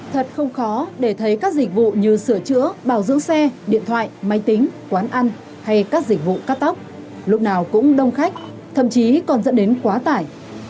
thật không khó để thấy các dịch vụ như sửa chữa bảo dưỡng xe điện thoại máy tính quán ăn hay các dịch vụ cắt tóc lúc nào cũng đông khách thậm chí còn dẫn đến quá tải